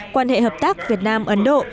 quan hệ hợp tác việt nam ấn độ